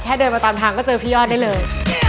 เดินมาตามทางก็เจอพี่ยอดได้เลย